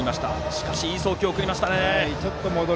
しかし、いい送球を送りました。